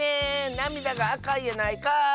なみだがあかいやないかい！